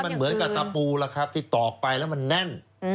มันเหมือนกับตะปูล่ะครับที่ตอกไปแล้วมันแน่น